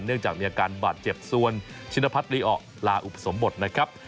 เนื่องจากมีอาการบาดเจ็บส่วนชินพัฒนลีอลาอุปสมบทนะครับ